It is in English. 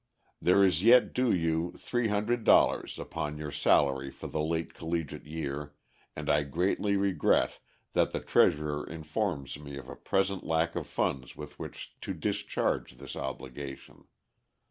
There is yet due you three hundred dollars ($300) upon your salary for the late collegiate year, and I greatly regret that the treasurer informs me of a present lack of funds with which to discharge this obligation.